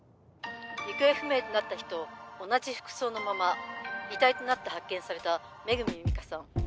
行方不明となった日と同じ服装のまま遺体となって発見された恵美佳さん。